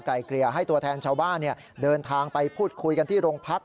เกลี่ยให้ตัวแทนชาวบ้านเดินทางไปพูดคุยกันที่โรงพัก